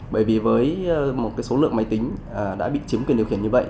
bởi vì với một số lượng máy tính đã bị chiếm quyền điều khiển như vậy